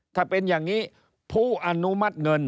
ถ้าเป็นอย่างนี้ผู้อนุมัติเงิน